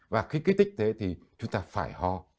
và khi kích thích thế thì chúng ta phải ho